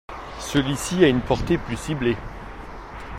Celui-ci a une portée plus ciblée.